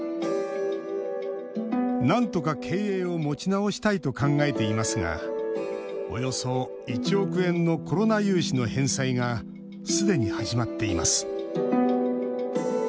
なんとか経営を持ち直したいと考えていますがおよそ１億円のコロナ融資の返済がすでに始まっています。